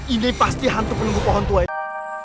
ini pasti hantu penunggu pohon tua itu